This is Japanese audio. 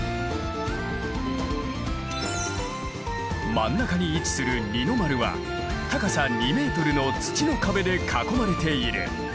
真ん中に位置する二ノ丸は高さ２ｍの土の壁で囲まれている。